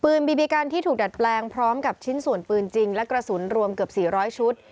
บีบีกันที่ถูกดัดแปลงพร้อมกับชิ้นส่วนปืนจริงและกระสุนรวมเกือบ๔๐๐ชุด